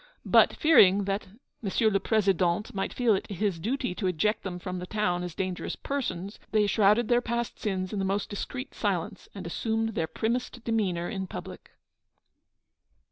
But, fearing that M. le Président might feel it his duty to eject them from the town as dangerous persons, they shrouded their past sins in the most discreet silence, and assumed their primmest demeanour in public.